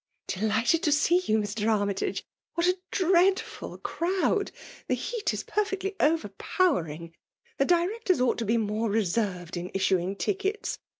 ••' Delighted to see you, Mr. Armytage. — What a dreadful crowd !— The heat is per fectly overpowering. The directors ought to be more reserved in issuing tickets.